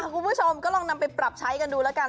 คุณผู้ชมก็ลองนำไปปรับใช้กันดูแล้วกัน